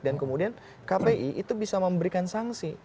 dan kemudian kpi itu bisa memberikan sanksi